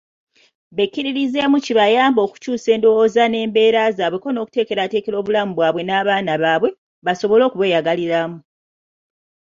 Bekkiririzeemu kibayambe okukyusa endowooza n'embeera zaabwe ko n'okuteekateeka obulamu bwabwe n'abaana baabwe, basobole okubweyagaliramu.